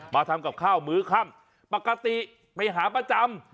มาทำกับข้าวมื้อค่ำปกติไปหาประจำ